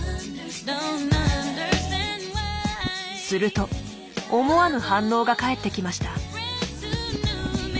すると思わぬ反応が返ってきました。